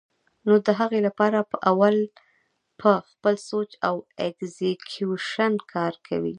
نو د هغې له پاره به اول پۀ خپل سوچ او اېکزیکيوشن کار کوي